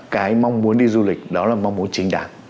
cái mong muốn đi du lịch đó là mong muốn chính đáng